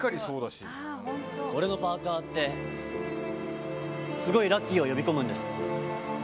俺のパーカってすごいラッキーを呼び込むんです。